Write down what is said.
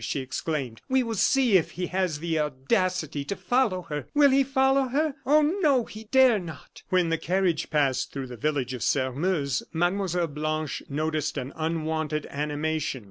she exclaimed. "We will see if he has the audacity to follow her! Will he follow her? Oh, no; he dare not!" When the carriage passed through the village of Sairmeuse, Mlle. Blanche noticed an unwonted animation.